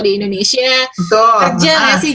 di indonesia kerja gak sih